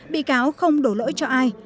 bị cáo không đổ lỗi cho ai